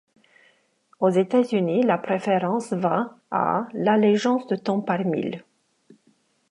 Aux États-Unis la préférence va à l'allégeance de temps par mille.